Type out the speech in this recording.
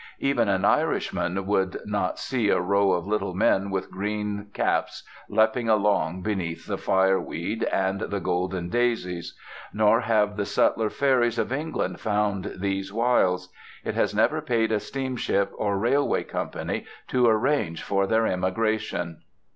Even an Irishman would not see a row of little men with green caps lepping along beneath the fire weed and the golden daisies; nor have the subtler fairies of England found these wilds. It has never paid a steamship or railway company to arrange for their emigration.